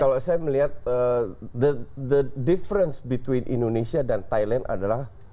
kalau saya melihat perbedaan antara indonesia dan thailand adalah